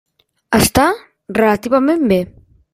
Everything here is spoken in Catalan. Està relativament bé.